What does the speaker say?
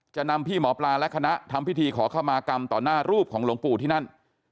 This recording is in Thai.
จะนำพี่หมอปลาและคณะทำพิธีขอเข้ามากรรมต่อหน้ารูปของหลวงปู่ที่นั่น